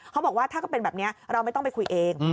เขาบอกว่าถ้าก็เป็นแบบนี้เราไม่ต้องไปคุยเอง